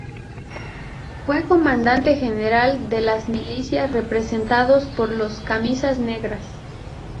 Fue comandante general de las milicias representados por los "Camisas Negras".